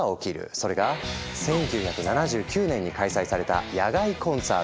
それが１９７９年に開催された野外コンサート